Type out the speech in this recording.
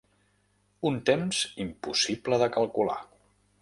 Un temps impossible de calcular.